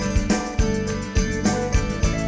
อยากจะได้แอบอิ่ง